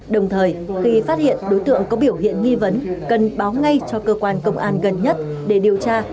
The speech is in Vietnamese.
đồng thời khi phát hiện đối tượng có biểu hiện nghi vấn cần báo ngay cho cơ quan công an gần nhất để điều tra